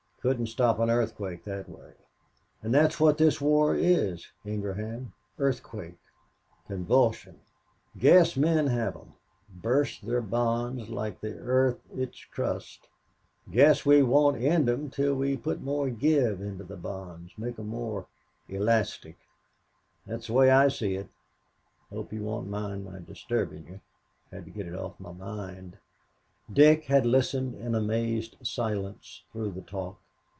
Couldn't stop an earthquake that way, and that's what this war is, Ingraham earthquake convulsion. Guess men have 'em burst their bonds like the earth its crust. Guess we won't end them until we put more give into the bonds make 'em more elastic. That's the way I see it. Hope you won't mind my disturbing you. Had to get it off my mind." Dick had listened in amazed silence through the talk.